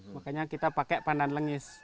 makanya kita pakai pandan lengis